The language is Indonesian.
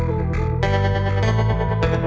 g feedback dari pengguruh